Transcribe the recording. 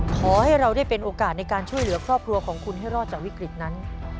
ขอให้เราได้เป็นโอกาสในการช่วยเหลือครอบครัวของคุณให้รอดจากวิกฤตนั้น